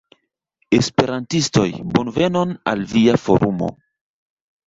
Esperantistoj, bonvenon al via Forumo!